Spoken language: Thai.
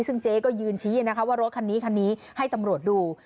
ซึ่งเจ๊ก็ยืนชี้นะคะว่ารถคันนี้คันนี้ให้ตำรวจดู